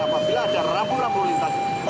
apabila ada rampung rampung lintas